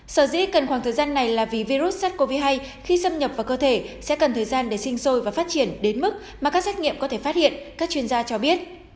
sở dĩ cần khoảng thời gian này là vì virus sars cov hai khi xâm nhập vào cơ thể sẽ cần thời gian để sinh sôi và phát triển đến mức mà các xét nghiệm có thể phát hiện các chuyên gia cho biết